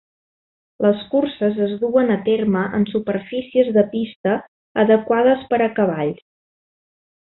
Les curses es duen a terme en superfícies de pista adequades per a cavalls.